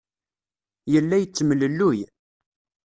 Yella yettemlelluy.